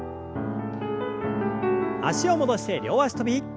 脚を戻して両脚跳び。